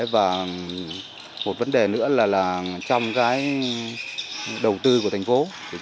và một vấn đề nữa là trong cái đầu tư của thành phố